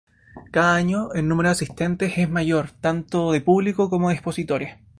Cada año, el número de asistentes es mayor, tanto de público como de expositores.